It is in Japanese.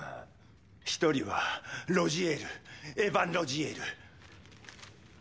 １人はロジエールエバン・ロジエール